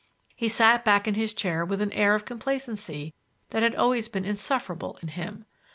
He sank back in his chair with an air of complacency that had always been insufferable in him.